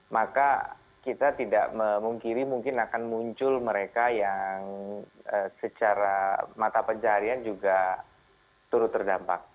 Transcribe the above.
maka kita tidak memungkiri mungkin akan muncul mereka yang secara mata pencarian juga turut terdampak